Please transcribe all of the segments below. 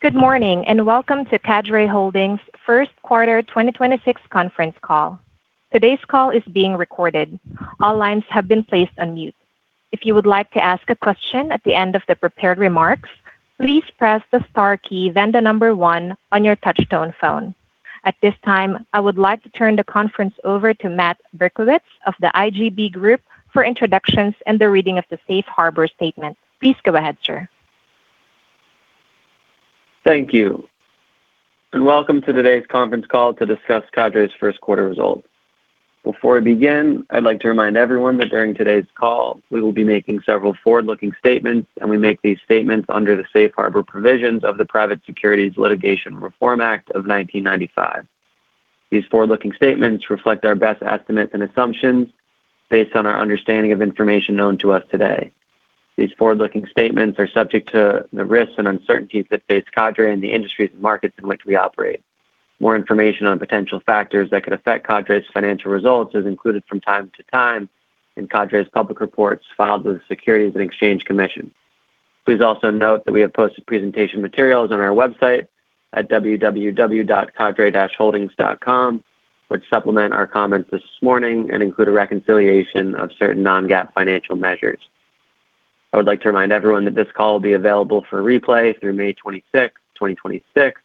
Good morning, and welcome to Cadre Holdings' first quarter 2026 conference call. Today's call is being recorded. All lines have been placed on mute. If you would like to ask a question at the end of the prepared remarks, please press the star key then the number one on your touch-tone phone. At this time, I would like to turn the conference over to Matt Berkowitz of the IGB Group for introductions and the reading of the Safe Harbor statement. Please go ahead, sir. Thank you. Welcome to today's conference call to discuss Cadre's first quarter results. Before we begin, I'd like to remind everyone that during today's call, we will be making several forward-looking statements, and we make these statements under the Safe Harbor Provisions of the Private Securities Litigation Reform Act of 1995. These forward-looking statements reflect our best estimates and assumptions based on our understanding of information known to us today. These forward-looking statements are subject to the risks and uncertainties that face Cadre and the industries and markets in which we operate. More information on potential factors that could affect Cadre's financial results is included from time to time in Cadre's public reports filed with the Securities and Exchange Commission. Please also note that we have posted presentation materials on our website at www.cadre-holdings.com, which supplement our comments this morning and include a reconciliation of certain non-GAAP financial measures. I would like to remind everyone that this call will be available for replay through May 26th, 2026.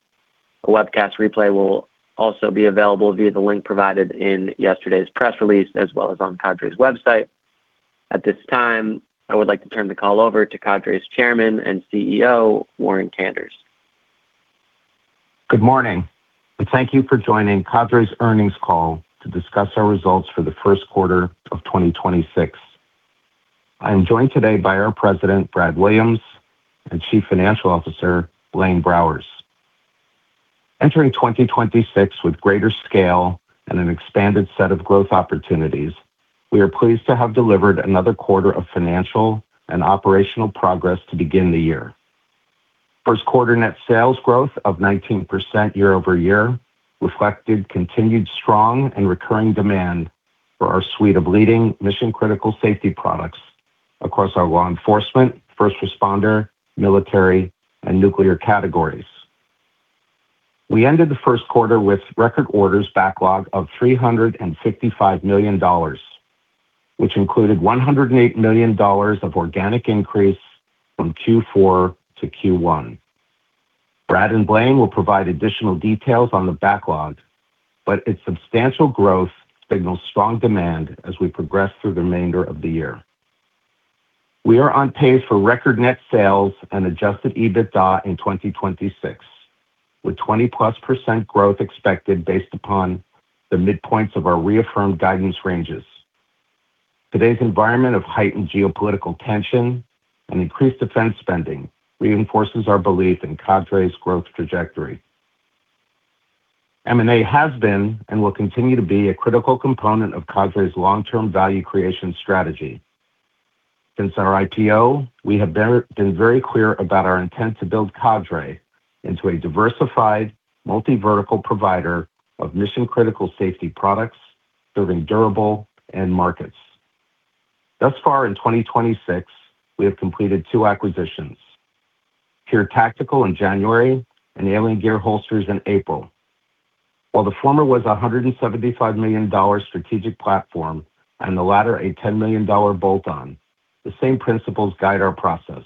A webcast replay will also be available via the link provided in yesterday's press release, as well as on Cadre's website. At this time, I would like to turn the call over to Cadre's Chairman and CEO, Warren Kanders. Good morning, thank you for joining Cadre's earnings call to discuss our results for the first quarter of 2026. I am joined today by our President, Brad Williams, and Chief Financial Officer, Blaine Browers. Entering 2026 with greater scale and an expanded set of growth opportunities, we are pleased to have delivered another quarter of financial and operational progress to begin the year. First quarter net sales growth of 19% year-over-year reflected continued strong and recurring demand for our suite of leading mission-critical safety products across our law enforcement, first responder, military, and nuclear categories. We ended the first quarter with record orders backlog of $355 million, which included $108 million of organic increase from Q4 to Q1. Brad and Blaine will provide additional details on the backlog, but its substantial growth signals strong demand as we progress through the remainder of the year. We are on pace for record net sales and Adjusted EBITDA in 2026, with 20%+ growth expected based upon the midpoints of our reaffirmed guidance ranges. Today's environment of heightened geopolitical tension and increased defense spending reinforces our belief in Cadre's growth trajectory. M&A has been and will continue to be a critical component of Cadre's long-term value creation strategy. Since our IPO, we have been very clear about our intent to build Cadre into a diversified, multi-vertical provider of mission-critical safety products serving durable end markets. Thus far in 2026, we have completed two acquisitions, TYR Tactical in January and Alien Gear Holsters in April. While the former was a $175 million strategic platform and the latter a $10 million bolt-on, the same principles guide our process.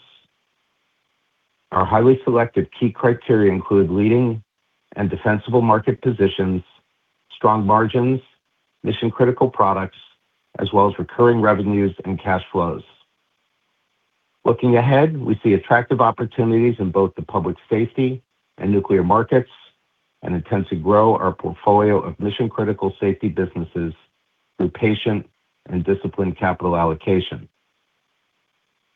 Our highly selective key criteria include leading and defensible market positions, strong margins, mission-critical products, as well as recurring revenues and cash flows. Looking ahead, we see attractive opportunities in both the public safety and nuclear markets and intend to grow our portfolio of mission-critical safety businesses through patient and disciplined capital allocation.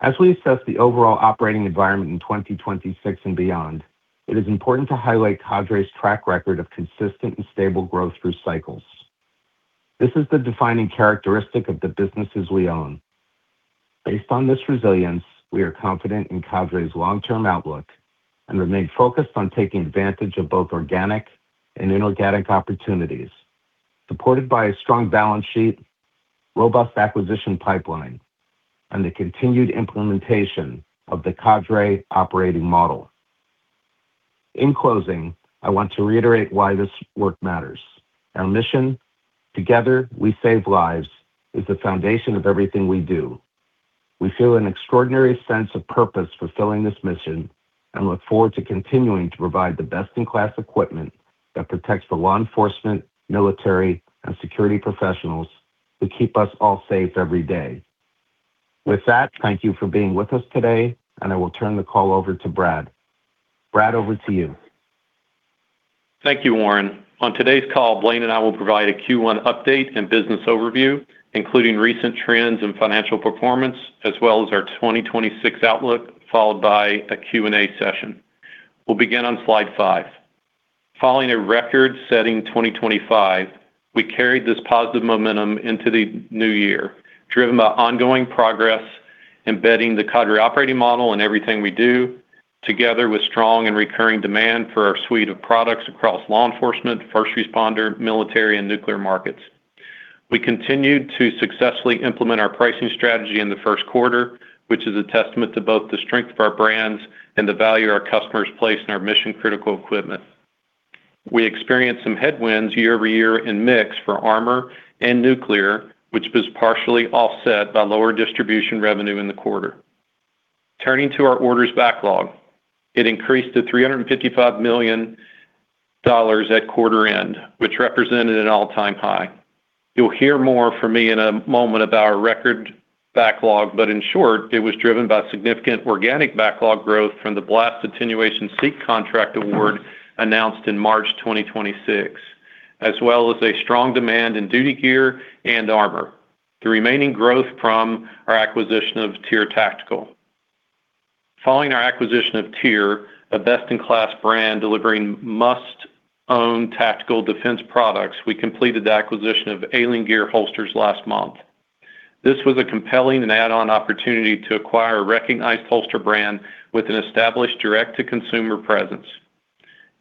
As we assess the overall operating environment in 2026 and beyond, it is important to highlight Cadre's track record of consistent and stable growth through cycles. This is the defining characteristic of the businesses we own. Based on this resilience, we are confident in Cadre's long-term outlook and remain focused on taking advantage of both organic and inorganic opportunities, supported by a strong balance sheet, robust acquisition pipeline, and the continued implementation of the Cadre Operating Model. In closing, I want to reiterate why this work matters. Our mission, together, we save lives, is the foundation of everything we do. We feel an extraordinary sense of purpose fulfilling this mission and look forward to continuing to provide the best-in-class equipment that protects the law enforcement, military, and security professionals who keep us all safe every day. With that, thank you for being with us today, and I will turn the call over to Brad. Brad, over to you. Thank you, Warren. On today's call, Blaine and I will provide a Q1 update and business overview, including recent trends in financial performance, as well as our 2026 outlook, followed by a Q&A session. We'll begin on S`lide 5. Following a record-setting 2025, we carried this positive momentum into the new year, driven by ongoing progress, embedding the Cadre Operating Model in everything we do, together with strong and recurring demand for our suite of products across law enforcement, first responder, military, and nuclear markets. We continued to successfully implement our pricing strategy in the first quarter, which is a testament to both the strength of our brands and the value our customers place in our mission-critical equipment. We experienced some headwinds year-over-year in mix for armor and nuclear, which was partially offset by lower distribution revenue in the quarter. Turning to our orders backlog, it increased to $355 million at quarter end, which represented an all-time high. You'll hear more from me in a moment about our record backlog, but in short, it was driven by significant organic backlog growth from the Blast Attenuation Seat contract award announced in March 2026, as well as a strong demand in duty gear and armor. The remaining growth from our acquisition of TYR Tactical. Following our acquisition of TYR, a best-in-class brand delivering must-own tactical defense products, we completed the acquisition of Alien Gear Holsters last month. This was a compelling and add-on opportunity to acquire a recognized holster brand with an established direct-to-consumer presence.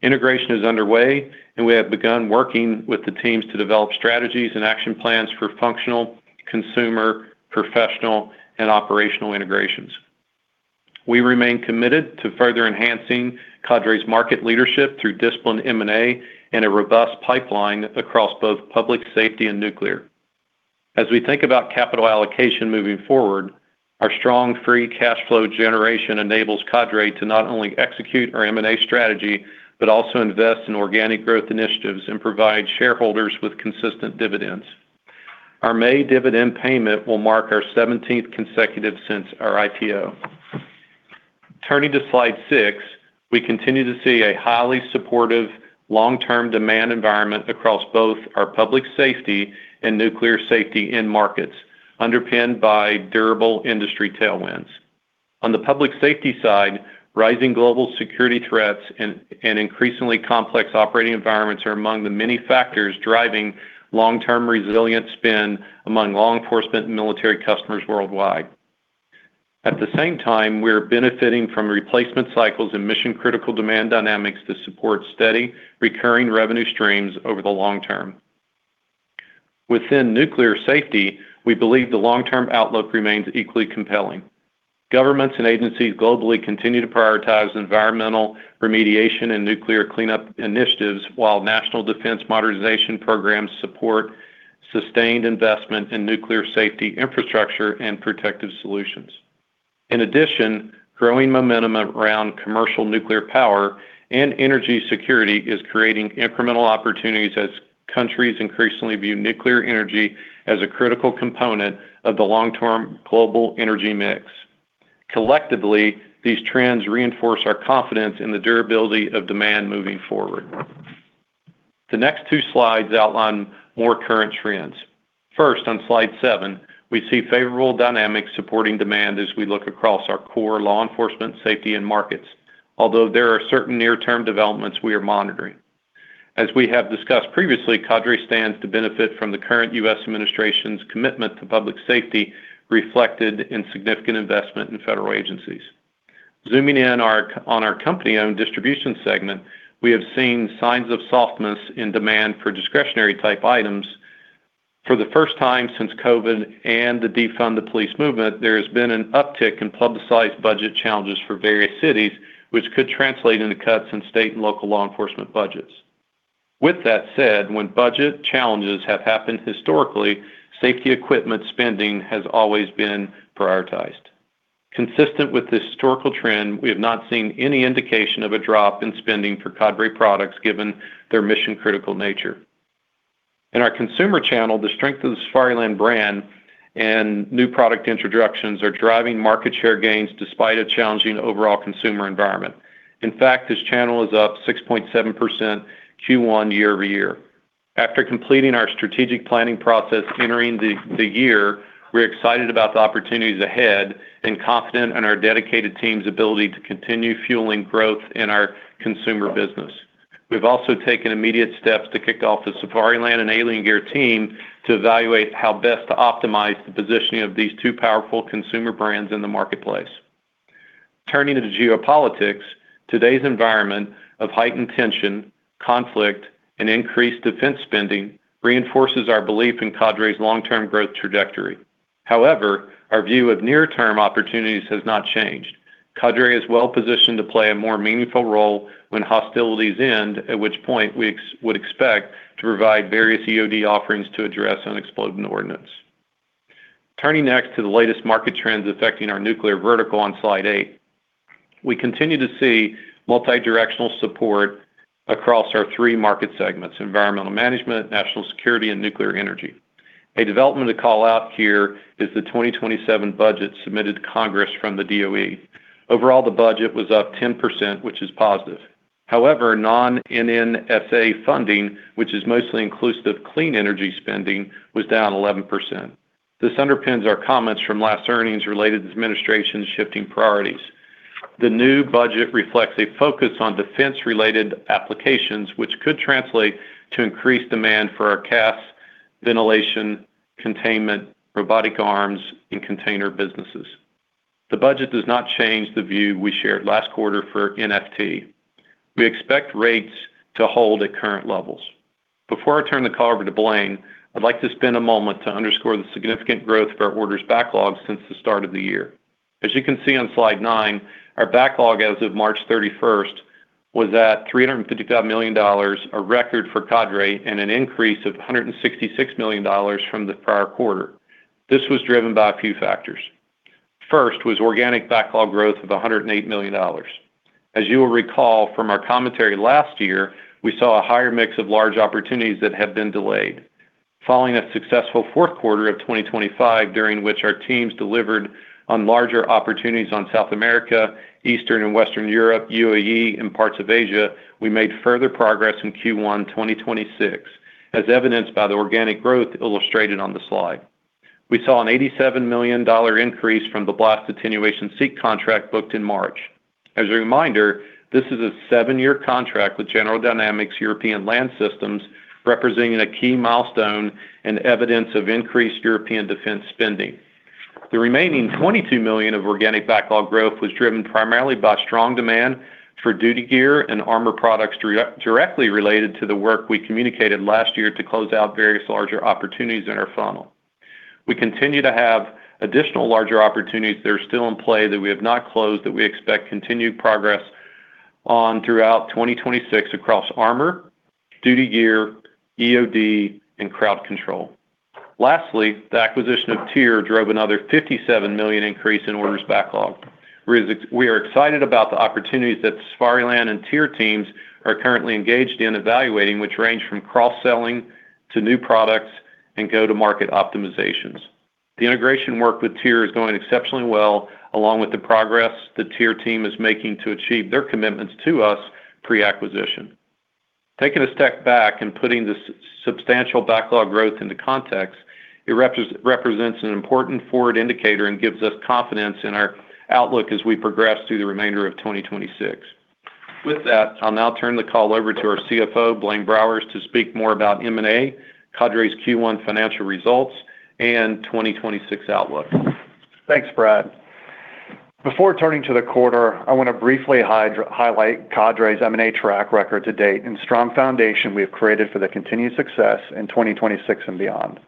Integration is underway, and we have begun working with the teams to develop strategies and action plans for functional, consumer, professional, and operational integrations. We remain committed to further enhancing Cadre's market leadership through disciplined M&A and a robust pipeline across both public safety and nuclear. As we think about capital allocation moving forward, our strong free cash flow generation enables Cadre to not only execute our M&A strategy, but also invest in organic growth initiatives and provide shareholders with consistent dividends. Our May dividend payment will mark our 17th consecutive since our IPO. Turning to Slide 6, we continue to see a highly supportive long-term demand environment across both our public safety and nuclear safety end markets, underpinned by durable industry tailwinds. On the public safety side, rising global security threats and increasingly complex operating environments are among the many factors driving long-term resilience spend among law enforcement and military customers worldwide. At the same time, we're benefiting from replacement cycles and mission-critical demand dynamics that support steady, recurring revenue streams over the long term. Within nuclear safety, we believe the long-term outlook remains equally compelling. Governments and agencies globally continue to prioritize environmental remediation and nuclear cleanup initiatives, while national defense modernization programs support sustained investment in nuclear safety infrastructure and protective solutions. In addition, growing momentum around commercial nuclear power and energy security is creating incremental opportunities as countries increasingly view nuclear energy as a critical component of the long-term global energy mix. Collectively, these trends reinforce our confidence in the durability of demand moving forward. The next 2 slides outline more current trends. First, on slide 7, we see favorable dynamics supporting demand as we look across our core law enforcement safety end markets, although there are certain near-term developments we are monitoring. As we have discussed previously, Cadre stands to benefit from the current U.S. administration's commitment to public safety reflected in significant investment in federal agencies. Zooming in on our company-owned distribution segment, we have seen signs of softness in demand for discretionary-type items. For the first time since COVID and the Defund the Police movement, there has been an uptick in publicized budget challenges for various cities, which could translate into cuts in state and local law enforcement budgets. With that said, when budget challenges have happened historically, safety equipment spending has always been prioritized. Consistent with this historical trend, we have not seen any indication of a drop in spending for Cadre products given their mission-critical nature. In our consumer channel, the strength of the Safariland brand and new product introductions are driving market share gains despite a challenging overall consumer environment. In fact, this channel is up 6.7% Q1 year-over-year. After completing our strategic planning process entering the year, we're excited about the opportunities ahead and confident in our dedicated team's ability to continue fueling growth in our consumer business. We've also taken immediate steps to kick off the Safariland and Alien Gear team to evaluate how best to optimize the positioning of these two powerful consumer brands in the marketplace. Turning to geopolitics, today's environment of heightened tension, conflict, and increased defense spending reinforces our belief in Cadre's long-term growth trajectory. However, our view of near-term opportunities has not changed. Cadre is well-positioned to play a more meaningful role when hostilities end, at which point we would expect to provide various EOD offerings to address unexploded ordnance. Turning next to the latest market trends affecting our nuclear vertical on Slide 8, we continue to see multidirectional support across our three market segments, environmental management, national security, and nuclear energy. A development to call out here is the 2027 budget submitted to Congress from the DOE. Overall, the budget was up 10%, which is positive. Non-NNSA funding, which is mostly inclusive clean energy spending, was down 11%. This underpins our comments from last earnings related to this administration's shifting priorities. The new budget reflects a focus on defense-related applications, which could translate to increased demand for our CAS, ventilation, containment, robotic arms, and container businesses. The budget does not change the view we shared last quarter for NFT. We expect rates to hold at current levels. Before I turn the call over to Blaine, I'd like to spend a moment to underscore the significant growth for our orders backlog since the start of the year. As you can see on Slide 9, our backlog as of March 31st was at $355 million, a record for Cadre, and an increase of $166 million from the prior quarter. This was driven by a few factors. First was organic backlog growth of $108 million. As you will recall from our commentary last year, we saw a higher mix of large opportunities that have been delayed. Following a successful fourth quarter of 2025, during which our teams delivered on larger opportunities on South America, Eastern and Western Europe, UAE, and parts of Asia, we made further progress in Q1 2026, as evidenced by the organic growth illustrated on the slide. We saw an $87 million increase from the Blast Attenuation Seat contract booked in March. As a reminder, this is a seven-year contract with General Dynamics European Land Systems, representing a key milestone and evidence of increased European defense spending. The remaining $22 million of organic backlog growth was driven primarily by strong demand for duty gear and armor products directly related to the work we communicated last year to close out various larger opportunities in our funnel. We continue to have additional larger opportunities that are still in play that we have not closed that we expect continued progress on throughout 2026 across armor, duty gear, EOD, and crowd control. Lastly, the acquisition of TYR drove another $57 million increase in orders backlog. We are excited about the opportunities that Safariland and TYR teams are currently engaged in evaluating, which range from cross-selling to new products and go-to-market optimizations. The integration work with TYR is going exceptionally well, along with the progress the TYR team is making to achieve their commitments to us pre-acquisition. Taking a step back and putting this substantial backlog growth into context, it represents an important forward indicator and gives us confidence in our outlook as we progress through the remainder of 2026. With that, I'll now turn the call over to our CFO, Blaine Browers, to speak more about M&A, Cadre's Q1 financial results, and 2026 outlook. Thanks, Brad. Before turning to the quarter, I want to briefly highlight Cadre's M&A track record to date and strong foundation we have created for the continued success in 2026 and beyond.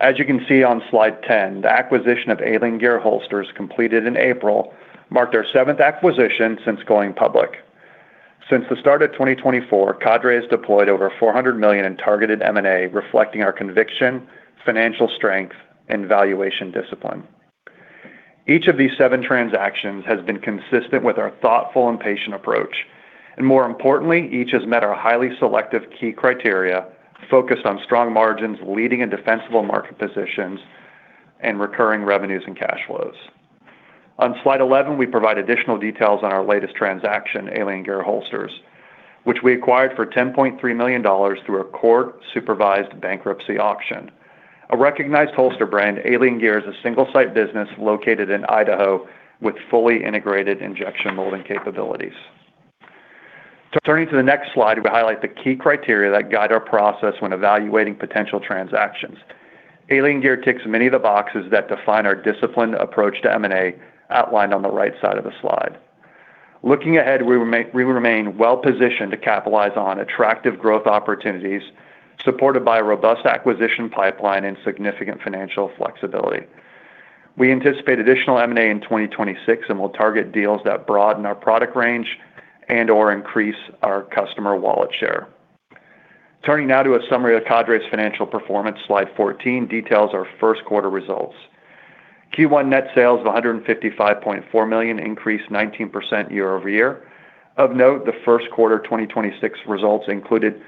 As you can see on Slide 10, the acquisition of Alien Gear Holsters completed in April marked our seventh acquisition since going public. Since the start of 2024, Cadre has deployed over $400 million targeted M&A, reflecting our conviction, financial strength, and valuation discipline. Each of these seven transactions has been consistent with our thoughtful and patient approach, and more importantly, each has met our highly selective key criteria focused on strong margins, leading in defensible market positions, and recurring revenues and cash flows. On Slide 11, we provide additional details on our latest transaction, Alien Gear Holsters, which we acquired for $10.3 million through a court-supervised bankruptcy auction. A recognized holster brand, Alien Gear, is a single-site business located in Idaho with fully integrated injection molding capabilities. Turning to the next slide, we highlight the key criteria that guide our process when evaluating potential transactions. Alien Gear ticks many of the boxes that define our disciplined approach to M&A outlined on the right side of the slide. Looking ahead, we remain well-positioned to capitalize on attractive growth opportunities supported by a robust acquisition pipeline and significant financial flexibility. We anticipate additional M&A in 2026, and we'll target deals that broaden our product range and/or increase our customer wallet share. Turning now to a summary of Cadre's financial performance, Slide 14 details our first quarter results. Q1 net sales of $155.4 million increased 19% year-over-year. Of note, the first quarter 2026 results included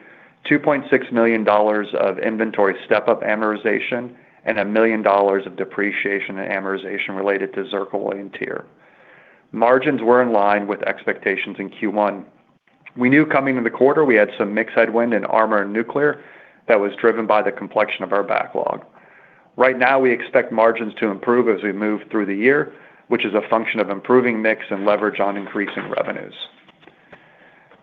$2.6 million of inventory step-up amortization and $1 million of depreciation and amortization related to Zircaloy and TYR. Margins were in line with expectations in Q1. We knew coming into the quarter we had some mix headwind in armor and nuclear that was driven by the complexion of our backlog. Right now, we expect margins to improve as we move through the year, which is a function of improving mix and leverage on increasing revenues.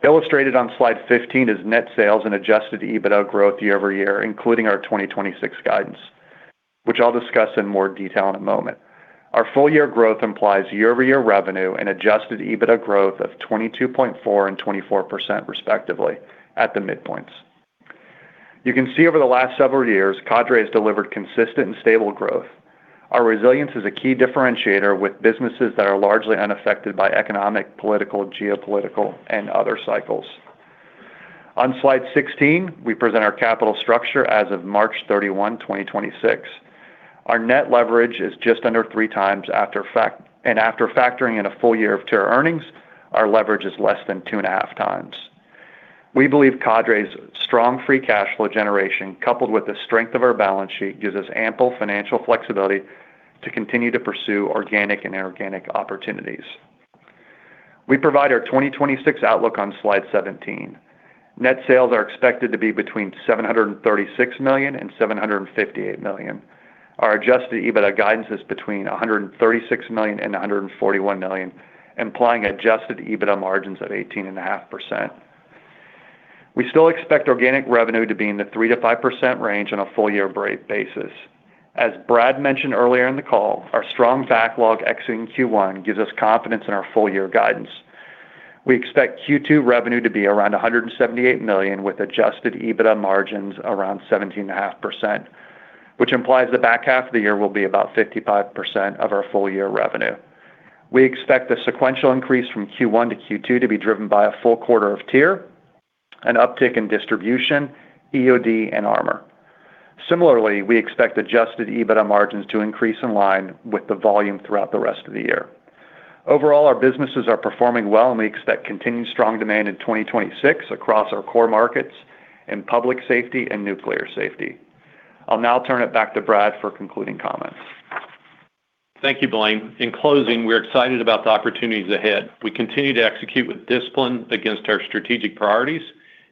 Illustrated on Slide 15 is net sales and adjusted EBITDA growth year-over-year, including our 2026 guidance, which I'll discuss in more detail in a moment. Our full-year growth implies year-over-year revenue and Adjusted EBITDA growth of 22.4% and 24% respectively at the midpoints. You can see over the last several years, Cadre has delivered consistent and stable growth. Our resilience is a key differentiator with businesses that are largely unaffected by economic, political, geopolitical, and other cycles. On Slide 16, we present our capital structure as of March 31, 2026. Our net leverage is just under 3x and after factoring in a full year of TYR earnings, our leverage is less than 2.5x. We believe Cadre's strong free cash flow generation, coupled with the strength of our balance sheet, gives us ample financial flexibility to continue to pursue organic and inorganic opportunities. We provide our 2026 outlook on Slide 17. Net sales are expected to be between $736 million and $758 million. Our Adjusted EBITDA guidance is between $136 million and $141 million, implying Adjusted EBITDA margins of 18.5%. We still expect organic revenue to be in the 3%-5% range on a full-year basis. As Brad mentioned earlier in the call, our strong backlog exiting Q1 gives us confidence in our full-year guidance. We expect Q2 revenue to be around $178 million, with Adjusted EBITDA margins around 17.5%, which implies the back half of the year will be about 55% of our full-year revenue. We expect the sequential increase from Q1 to Q2 to be driven by a full quarter of TYR, an uptick in distribution, EOD, and armor. Similarly, we expect adjusted EBITDA margins to increase in line with the volume throughout the rest of the year. Overall, our businesses are performing well, and we expect continued strong demand in 2026 across our core markets in public safety and nuclear safety. I'll now turn it back to Brad for concluding comments. Thank you, Blaine. In closing, we're excited about the opportunities ahead. We continue to execute with discipline against our strategic priorities.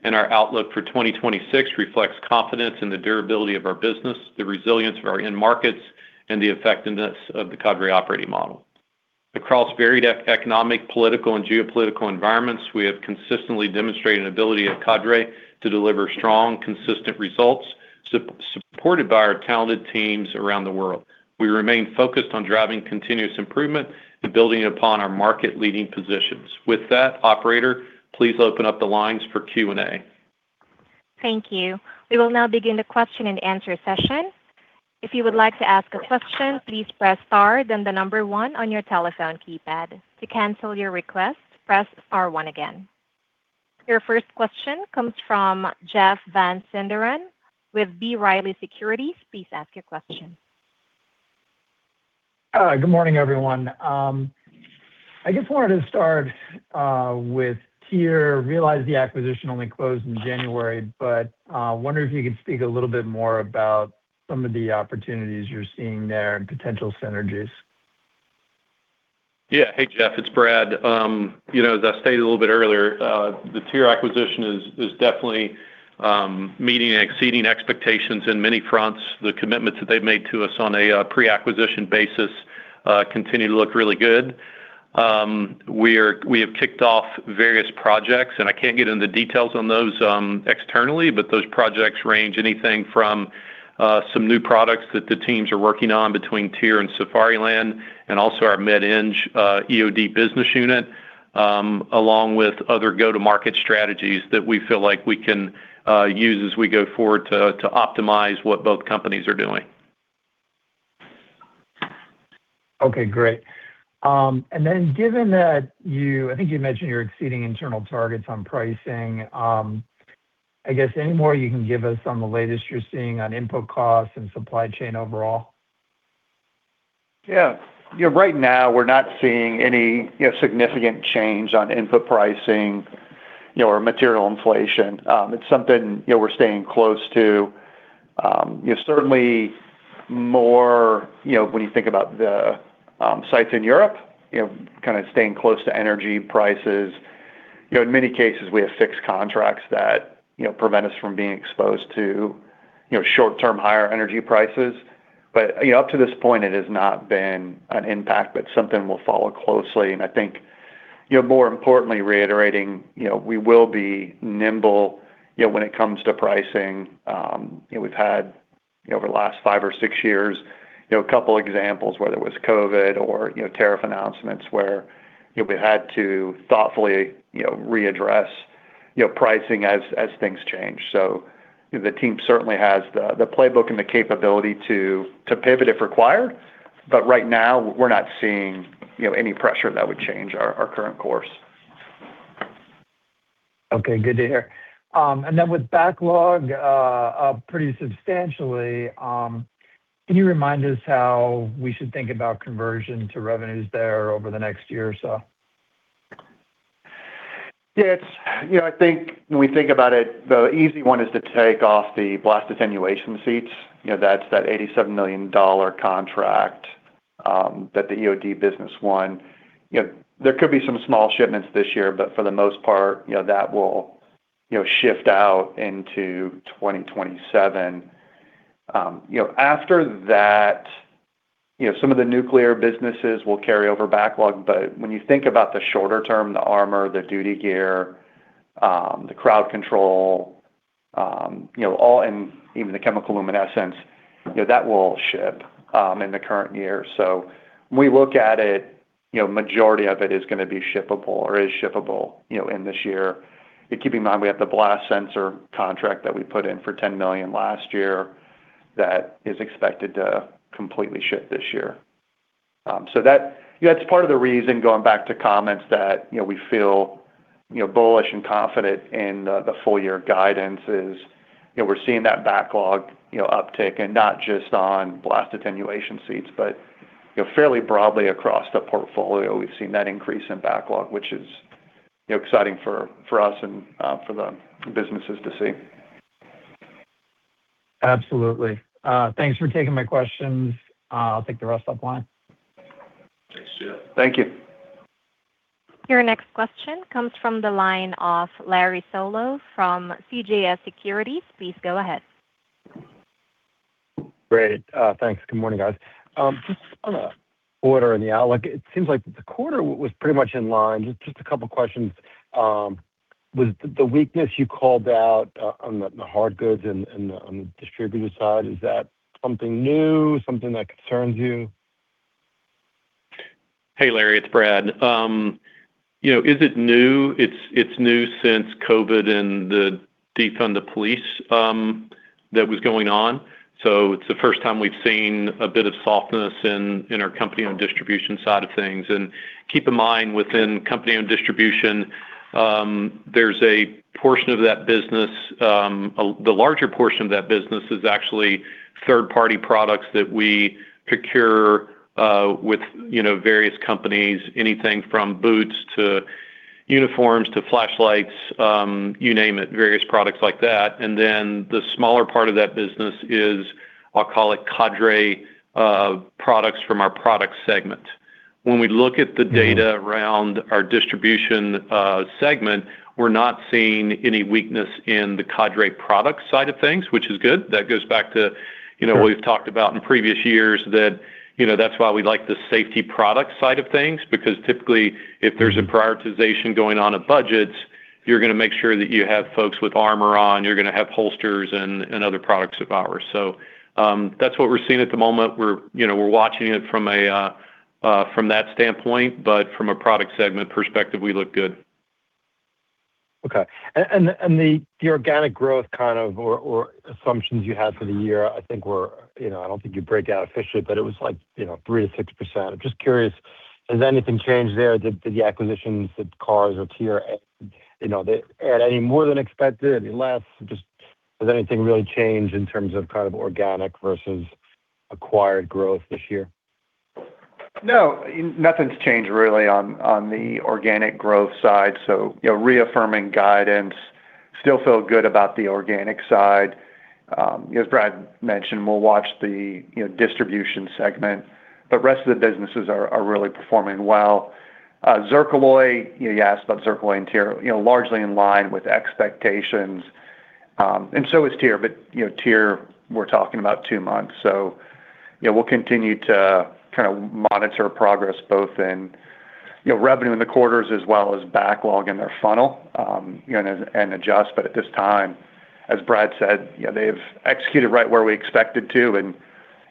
Our outlook for 2026 reflects confidence in the durability of our business, the resilience of our end markets, and the effectiveness of the Cadre Operating Model. Across varied economic, political, and geopolitical environments, we have consistently demonstrated an ability at Cadre to deliver strong, consistent results supported by our talented teams around the world. We remain focused on driving continuous improvement and building upon our market-leading positions. With that, operator, please open up the lines for Q&A. Thank you. We will now begin the question and answer session. If you would like to ask a question, please press star then the number one on your telephone keypad. To cancel your request, press star one again. Your first question comes from Jeff Van Sinderen with B. Riley Securities. Please ask your question. Good morning, everyone. I guess wanted to start with TYR. Realize the acquisition only closed in January. Wondering if you could speak a little bit more about some of the opportunities you're seeing there and potential synergies? Yeah. Hey, Jeff, it's Brad. You know, as I stated a little bit earlier, the TYR acquisition is definitely meeting and exceeding expectations in many fronts. The commitments that they've made to us on a pre-acquisition basis continue to look really good. We have kicked off various projects, and I can't get into details on those externally, but those projects range anything from some new products that the teams are working on between TYR and Safariland and also our Med-Eng EOD business unit, along with other go-to-market strategies that we feel like we can use as we go forward to optimize what both companies are doing. Okay. Great. Given that you I think you mentioned you're exceeding internal targets on pricing, I guess any more you can give us on the latest you're seeing on input costs and supply chain overall? Yeah. Yeah, right now, we're not seeing any, you know, significant change on input pricing, you know, or material inflation. It's something, you know, we're staying close to. You know, certainly more, you know, when you think about the sites in Europe, you know, kind of staying close to energy prices. You know, in many cases, we have fixed contracts that, you know, prevent us from being exposed to, you know, short-term higher energy prices. Up to this point, it has not been an impact, but something we'll follow closely. I think, you know, more importantly, reiterating, you know, we will be nimble, you know, when it comes to pricing. You know, we've had, you know, over the last five or six years, you know, a couple examples, whether it was COVID or, you know, tariff announcements, where, you know, we've had to thoughtfully, you know, readdress, you know, pricing as things change. The team certainly has the playbook and the capability to pivot if required, but right now we're not seeing, you know, any pressure that would change our current course. Okay. Good to hear. With backlog, pretty substantially, can you remind us how we should think about conversion to revenues there over the next year or so? Yeah. It's, you know, I think when we think about it, the easy one is to take off the Blast Attenuation Seats. You know, that's that $87 million contract that the EOD business won. You know, there could be some small shipments this year, but for the most part, you know, that will, you know, shift out into 2027. You know, after that, you know, some of the nuclear businesses will carry over backlog. When you think about the shorter term, the armor, the duty gear, the crowd control, you know, all in even the chemiluminescence, you know, that will ship in the current year. When we look at it, you know, majority of it is gonna be shippable or is shippable, you know, in this year. Keeping in mind, we have the Blast Sensor contract that we put in for $10 million last year that is expected to completely ship this year. That, you know, that's part of the reason, going back to comments that, you know, we feel, you know, bullish and confident in the full year guidance is, you know, we're seeing that backlog, you know, uptick, and not just on Blast Attenuation Seats, but, you know, fairly broadly across the portfolio, we've seen that increase in backlog, which is, you know, exciting for us and for the businesses to see. Absolutely. Thanks for taking my questions. I'll take the rest offline. Thanks, Jeff. Thank you. Your next question comes from the line of Larry Solow from CJS Securities. Please go ahead. Great. Thanks. Good morning, guys. Like it seems like the quarter was pretty much in line. Just a couple questions. Was the weakness you called out on the hard goods and on the distributor side, is that something new, something that concerns you? Hey, Larry. It's Brad. You know, is it new? It's new since COVID and the Defund the Police that was going on. It's the first time we've seen a bit of softness in our company on distribution side of things. Keep in mind, within company and distribution, there's a portion of that business, the larger portion of that business is actually third-party products that we procure with, you know, various companies, anything from boots to uniforms to flashlights, you name it, various products like that. The smaller part of that business is, I'll call it Cadre products from our product segment. When we look at the data around our distribution segment, we're not seeing any weakness in the Cadre product side of things, which is good. That goes back to, you know, what we've talked about in previous years that, you know, that's why we like the safety product side of things, because typically if there's a prioritization going on of budgets, you're gonna make sure that you have folks with armor on, you're gonna have holsters and other products of ours. That's what we're seeing at the moment. We're, you know, we're watching it from that standpoint, but from a product segment perspective, we look good. Okay. The organic growth kind of or assumptions you had for the year, I think were You know, I don't think you break out officially, but it was like, you know, 3%-6%. I'm just curious, has anything changed there? Did the acquisitions of Carr or TYR, you know, they add any more than expected, any less? Just has anything really changed in terms of kind of organic versus acquired growth this year? No, nothing's changed really on the organic growth side. You know, reaffirming guidance, still feel good about the organic side. As Brad mentioned, we'll watch the, you know, distribution segment, rest of the businesses are really performing well. Zircaloy, you know, you asked about Zircaloy and TYR, you know, largely in line with expectations, and so is TYR. You know, TYR, we're talking about two months. You know, we'll continue to kind of monitor progress both in, you know, revenue in the quarters as well as backlog in their funnel, you know, and adjust. At this time, as Brad said, you know, they've executed right where we expected to, and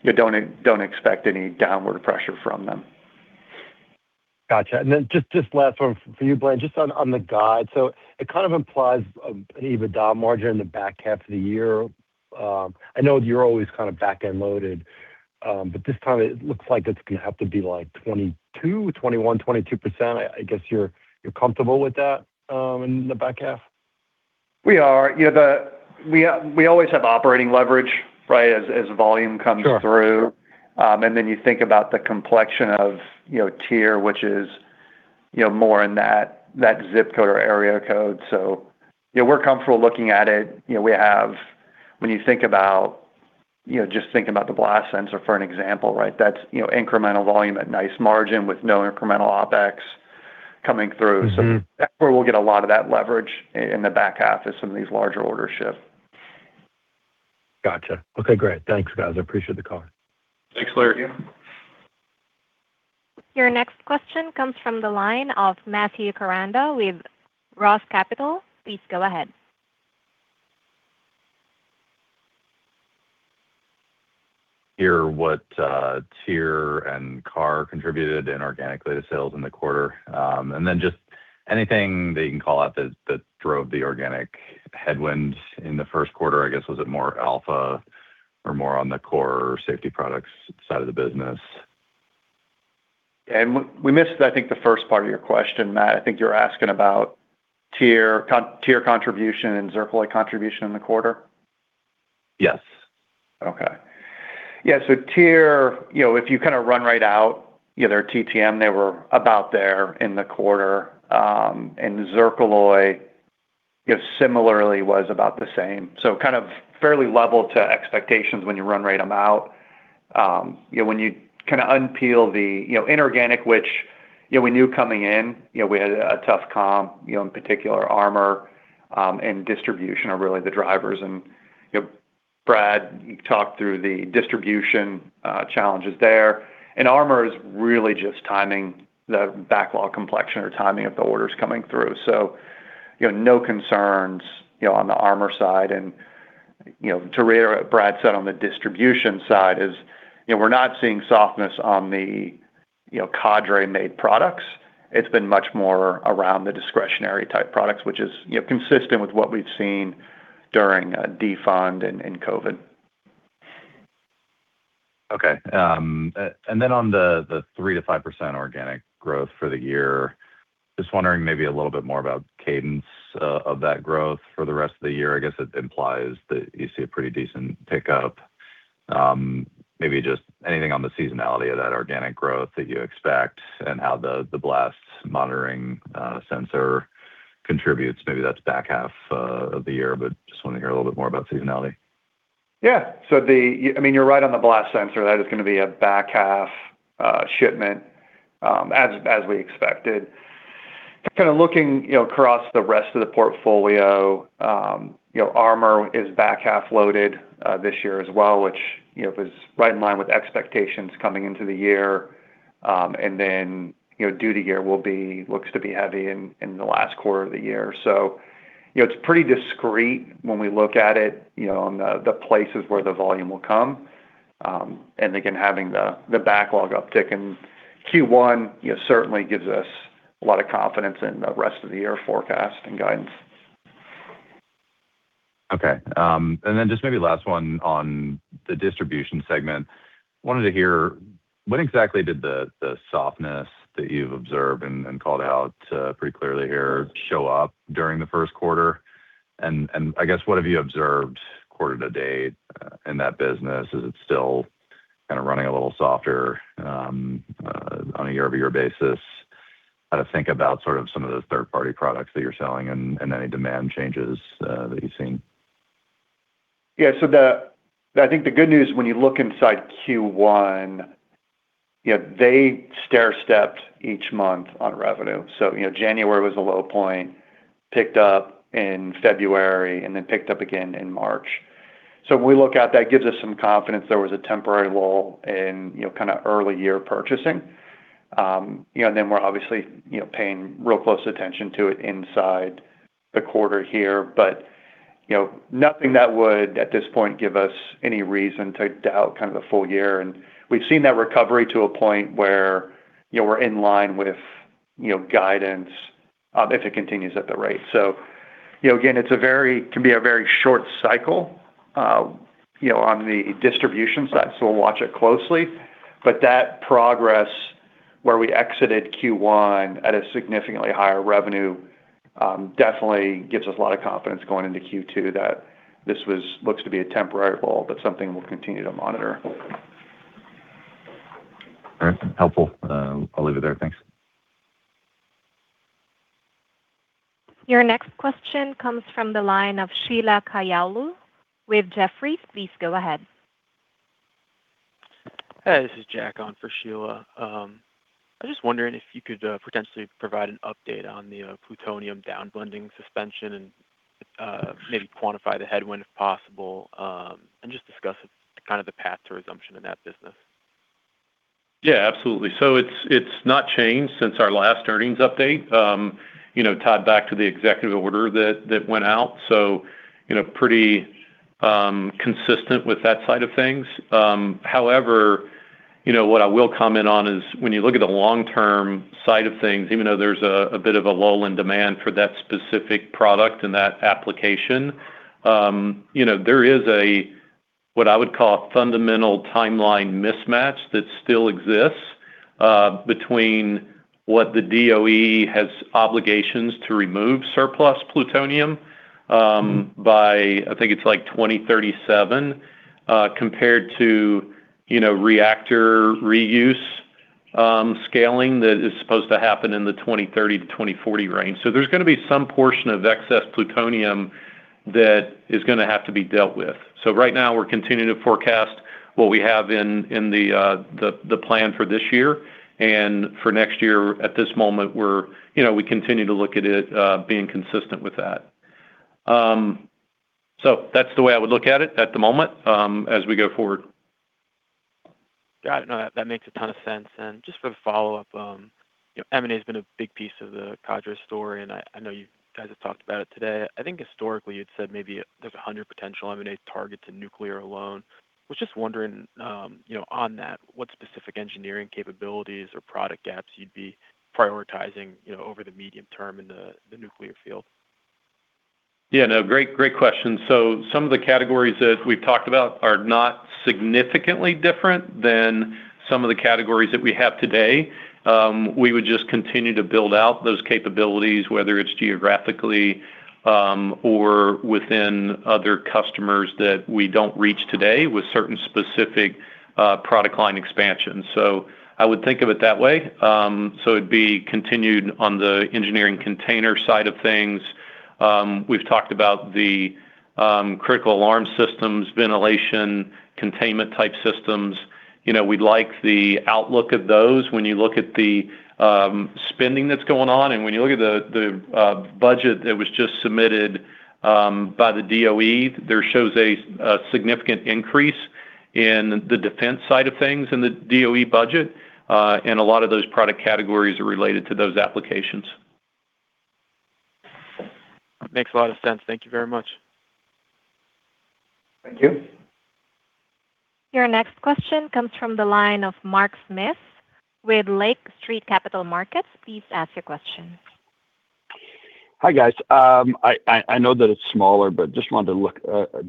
you don't expect any downward pressure from them. Gotcha. Last one for you, Blaine, on the guide. It kind of implies an EBITDA margin in the back half of the year. I know you're always kind of back-end loaded, but this time it looks like it's gonna have to be like 22%, 21%, 22%. I guess you're comfortable with that in the back half? We are. You know, we always have operating leverage, right? Sure through. You think about the complexion of, you know, TYR Tactical, which is, you know, more in that ZIP code or area code. You know, we're comfortable looking at it. When you think about, you know, just thinking about the Blast Sensor, for an example, right? That's, you know, incremental volume at nice margin with no incremental OpEx coming through. That's where we'll get a lot of that leverage in the back half as some of these larger orders ship. Gotcha. Okay, great. Thanks, guys. I appreciate the call. Thanks, Larry. Your next question comes from the line of Matthew Koranda with Roth Capital. Please go ahead. Hear what TYR and Carr contributed in organically to sales in the quarter. Anything that you can call out that drove the organic headwind in the first quarter? I guess, was it more Alpha or more on the core safety products side of the business? We missed, I think, the first part of your question, Matt. I think you're asking about TYR contribution and Zircaloy contribution in the quarter? Yes. TYR, you know, if you kind of run rate out, you know, their TTM, they were about there in the quarter. Zircaloy, you know, similarly was about the same. Kind of fairly level to expectations when you run rate them out. You know, when you kind of unpeel the, you know, inorganic, which, you know, we knew coming in, you know, we had a tough comp. You know, in particular, armor, and distribution are really the drivers. You know, Brad talked through the distribution challenges there. Armor is really just timing the backlog complexion or timing of the orders coming through. You know, no concerns, you know, on the armor side. You know, to reiterate what Brad said on the distribution side is, you know, we're not seeing softness on the, you know, Cadre-made products. It's been much more around the discretionary type products, which is, you know, consistent with what we've seen during Defund and COVID. Okay. On the 3%-5% organic growth for the year, just wondering maybe a little bit more about cadence of that growth for the rest of the year? I guess it implies that you see a pretty decent pickup. Maybe just anything on the seasonality of that organic growth that you expect and how the Blast Sensor contributes? Maybe that's back half of the year, but just want to hear a little bit more about seasonality. Yeah. I mean, you're right on the Blast Sensor. That is gonna be a back half shipment, as we expected. Kind of looking, you know, across the rest of the portfolio, you know, Armor is back half loaded this year as well, which, you know, is right in line with expectations coming into the year. You know, duty gear looks to be heavy in the last quarter of the year. You know, it's pretty discreet when we look at it, you know, on the places where the volume will come. Having the backlog uptick in Q1, you know, certainly gives us a lot of confidence in the rest of the year forecast and guidance. Okay. Then just maybe last one on the distribution segment. Wanted to hear when exactly did the softness that you've observed and called out pretty clearly here show up during the first quarter? I guess, what have you observed quarter to date in that business? Is it still kind of running a little softer on a year-over-year basis? How to think about sort of some of those third-party products that you're selling and any demand changes that you've seen. Yeah. I think the good news when you look inside Q1, you know, they stairstepped each month on revenue. You know, January was a low point, picked up in February, and then picked up again in March. When we look at that, gives us some confidence there was a temporary lull in, you know, kind of early year purchasing. You know, and then we're obviously, you know, paying real close attention to it inside the quarter here. You know, nothing that would, at this point, give us any reason to doubt kind of the full year. We've seen that recovery to a point where, you know, we're in line with, you know, guidance, if it continues at the rate. You know, again, it's a very short cycle, you know, on the distribution side, so we'll watch it closely. That progress where we exited Q1 at a significantly higher revenue, definitely gives us a lot of confidence going into Q2 that this looks to be a temporary lull, but something we'll continue to monitor. All right. Helpful. I'll leave it there. Thanks. Your next question comes from the line of Sheila Kahyaoglu with Jefferies. Please go ahead. Hi, this is Jack on for Sheila. I'm just wondering if you could potentially provide an update on the plutonium down blending suspension and maybe quantify the headwind if possible, and just discuss kind of the path to resumption in that business? Yeah, absolutely. It's not changed since our last earnings update, you know, tied back to the executive order that went out, you know, pretty consistent with that side of things. However, you know, what I will comment on is when you look at the long-term side of things, even though there's a bit of a lull in demand for that specific product and that application, you know, there is a what I would call a fundamental timeline mismatch that still exists between what the DOE has obligations to remove surplus plutonium by I think it's like 2037, compared to, you know, reactor reuse scaling that is supposed to happen in the 2030 to 2040 range. There's gonna be some portion of excess plutonium that is gonna have to be dealt with. Right now we're continuing to forecast what we have in the plan for this year and for next year. At this moment we're, you know, we continue to look at it being consistent with that. That's the way I would look at it at the moment as we go forward. Yeah. No, that makes a ton of sense. Just for the follow-up, you know, M&A has been a big piece of the Cadre story, and I know you guys have talked about it today. I think historically you'd said maybe there's 100 potential M&A targets in nuclear alone. Was just wondering, you know, on that, what specific engineering capabilities or product gaps you'd be prioritizing, you know, over the medium term in the nuclear field? Yeah. No, great question. Some of the categories that we've talked about are not significantly different than some of the categories that we have today. We would just continue to build out those capabilities, whether it's geographically, or within other customers that we don't reach today with certain specific product line expansion. I would think of it that way. It'd be continued on the engineering container side of things. We've talked about the critical alarm systems, ventilation, containment type systems. You know, we like the outlook of those when you look at the spending that's going on and when you look at the budget that was just submitted by the DOE, there shows a significant increase in the defense side of things in the DOE budget, and a lot of those product categories are related to those applications. Makes a lot of sense. Thank you very much. Thank you. Your next question comes from the line of Mark Smith with Lake Street Capital Markets. Please ask your question. Hi, guys. I know that it's smaller, but just wanted to look,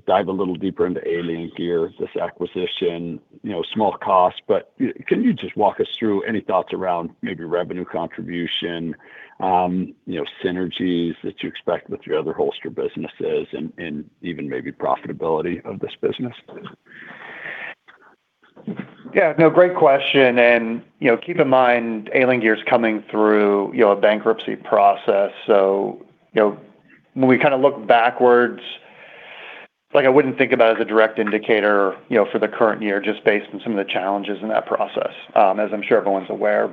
dive a little deeper into Alien Gear, this acquisition. You know, small cost, but can you just walk us through any thoughts around maybe revenue contribution, you know, synergies that you expect with your other holster businesses and even maybe profitability of this business? No, great question. You know, keep in mind, Alien Gear is coming through, you know, a bankruptcy process. You know, when we kind of look backwards, like I wouldn't think about as a direct indicator, you know, for the current year just based on some of the challenges in that process, as I'm sure everyone's aware.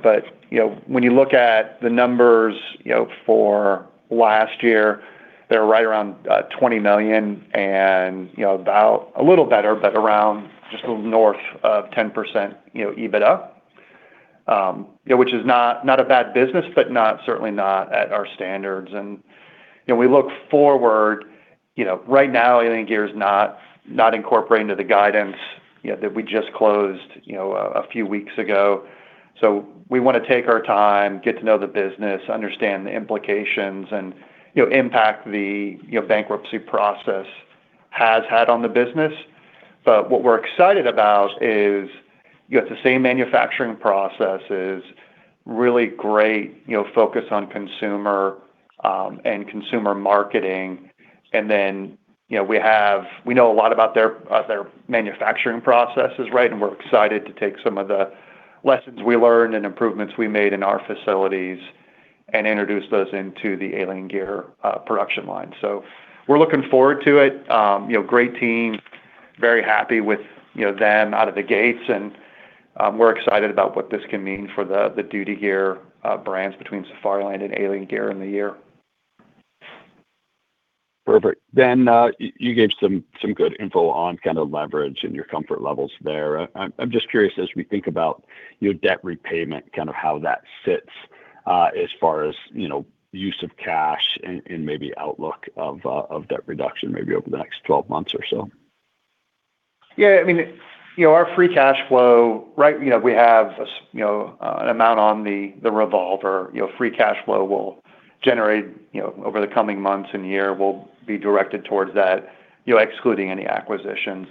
You know, when you look at the numbers, you know, for last year, they were right around $20 million and, you know, about a little better, but around just a little north of 10%, you know, EBITDA. Which is not a bad business, but certainly not at our standards. You know, right now, Alien Gear is not incorporating to the guidance, you know, that we just closed, you know, a few weeks ago. We wanna take our time, get to know the business, understand the implications and, you know, impact the, you know, bankruptcy process has had on the business. What we're excited about is you have the same manufacturing processes, really great, you know, focus on consumer, and consumer marketing. Then, you know, we know a lot about their manufacturing processes, right? We're excited to take some of the lessons we learned and improvements we made in our facilities and introduce those into the Alien Gear production line. We're looking forward to it. You know, great team, very happy with, you know, them out of the gates, and we're excited about what this can mean for the duty gear brands between Safariland and Alien Gear in the year. Perfect. You gave some good info on kind of leverage and your comfort levels there. I'm just curious, as we think about your debt repayment, kind of how that sits as far as, you know, use of cash and maybe outlook of debt reduction maybe over the next 12 months or so. Yeah. I mean, you know, our free cash flow, right? You know, we have, you know, an amount on the revolver. You know, free cash flow will generate, you know, over the coming months and year, will be directed towards that, you know, excluding any acquisitions.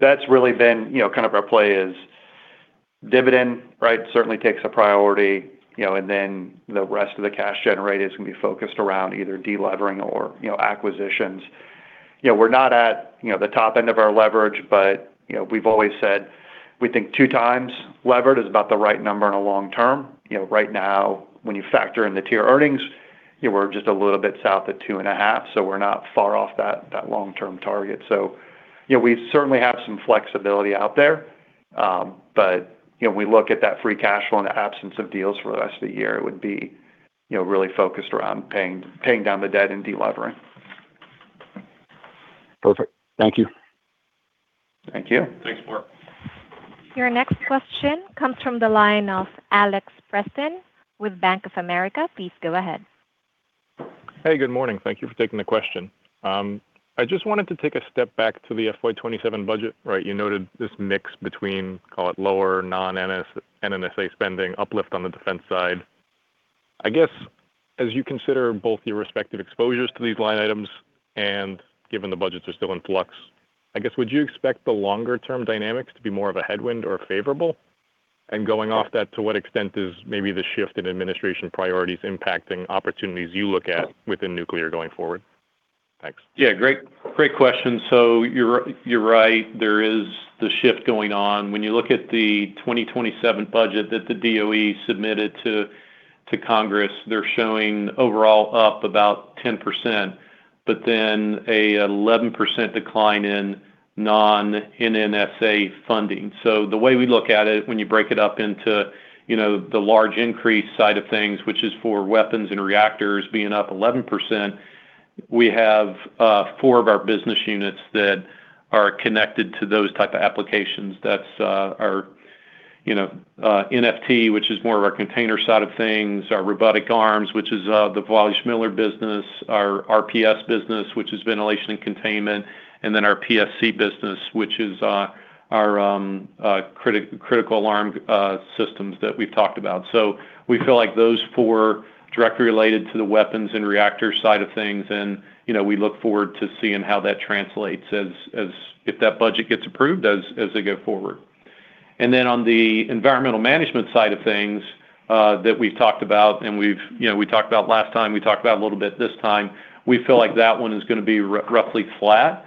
That's really been, you know, kind of our play is dividend, right? Certainly takes a priority, you know, and then the rest of the cash generated is gonna be focused around either de-levering or, you know, acquisitions. You know, we're not at, you know, the top end of our leverage, but, you know, we've always said we think 2x levered is about the right number in a long term. You know, right now, when you factor in the TYR earnings, you know, we're just a little bit south of 2.5x, so we're not far off that long-term target. You know, we certainly have some flexibility out there. You know, we look at that free cash flow in the absence of deals for the rest of the year, it would be, you know, really focused around paying down the debt and de-levering. Perfect. Thank you. Thank you. Thanks, Mark. Your next question comes from the line of Alex Preston with Bank of America. Please go ahead. Hey, good morning. Thank you for taking the question. I just wanted to take a step back to the FY 2027 budget, right? You noted this mix between, call it lower non-NNSA spending uplift on the defense side. As you consider both your respective exposures to these line items and given the budgets are still in flux, would you expect the longer term dynamics to be more of a headwind or favorable? Going off that, to what extent is maybe the shift in administration priorities impacting opportunities you look at within nuclear going forward? Thanks. Yeah, great. Great question. You're right, there is the shift going on. When you look at the 2027 budget that the DOE submitted to Congress, they're showing overall up about 10%, but then a 11% decline in non-NNSA funding. The way we look at it, when you break it up into, you know, the large increase side of things, which is for weapons and reactors being up 11%, we have four of our business units that are connected to those type of applications. That's our, you know, NFT, which is more of our container side of things, our robotic arms, which is the Wälischmiller business, our RPS business, which is ventilation and containment, and then our PFC business, which is our critical alarm systems that we've talked about. We feel like those four directly related to the weapons and reactor side of things and, you know, we look forward to seeing how that translates as if that budget gets approved as they go forward. On the environmental management side of things, that we've talked about and we've, you know, talked about last time, we talked about a little bit this time. We feel like that one is gonna be roughly flat,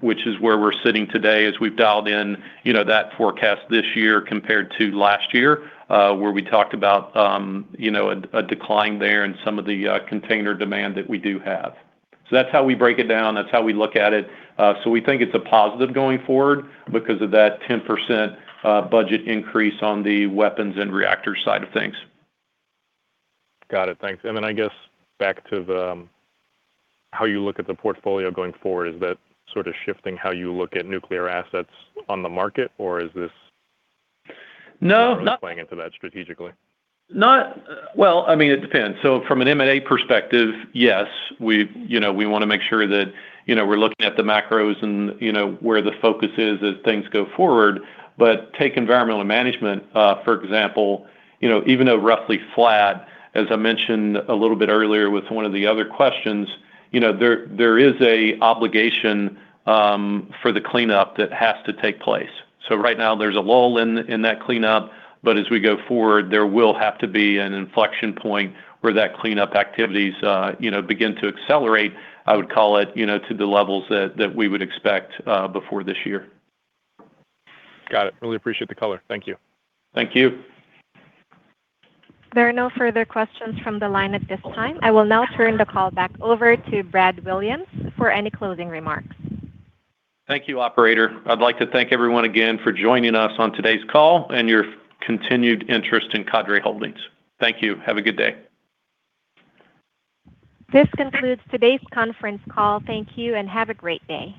which is where we're sitting today as we've dialed in, you know, that forecast this year compared to last year, where we talked about, you know, a decline there in some of the container demand that we do have. That's how we break it down. That's how we look at it. We think it's a positive going forward because of that 10% budget increase on the weapons and reactors side of things. Got it. Thanks. I guess back to the, how you look at the portfolio going forward, is that sort of shifting how you look at nuclear assets on the market? Playing into that strategically? Well, I mean, it depends. From an M&A perspective, yes, we, you know, we wanna make sure that, you know, we're looking at the macros and, you know, where the focus is as things go forward. Take environmental management, for example, you know, even though roughly flat, as I mentioned a little bit earlier with one of the other questions, you know, there is a obligation for the cleanup that has to take place. Right now there's a lull in that cleanup, but as we go forward, there will have to be an inflection point where that cleanup activities, you know, begin to accelerate, I would call it, you know, to the levels that we would expect before this year. Got it. Really appreciate the color. Thank you. Thank you. There are no further questions from the line at this time. I will now turn the call back over to Brad Williams for any closing remarks. Thank you, operator. I'd like to thank everyone again for joining us on today's call and your continued interest in Cadre Holdings. Thank you. Have a good day. This concludes today's conference call. Thank you, have a great day.